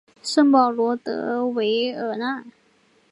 圣保罗德韦尔讷。